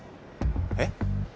えっ？